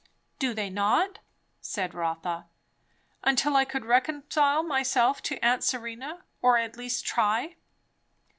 "Do they not?" said Rotha, "until I could reconcile myself to aunt Serena? or at least try."